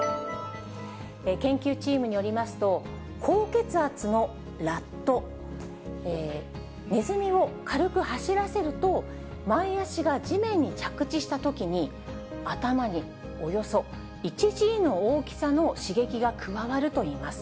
研究チームによりますと、高血圧のラット、ねずみを軽く走らせると、前足が地面に着地したときに、頭におよそ１Ｇの大きさの刺激が加わるといいます。